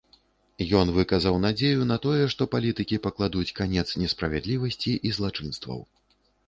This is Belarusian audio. Ён выказаў надзею на тое, што палітыкі пакладуць канец несправядлівасці і злачынстваў.